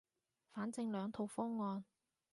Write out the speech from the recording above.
反正兩套方案